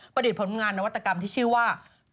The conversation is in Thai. ดิตผลงานนวัตกรรมที่ชื่อว่า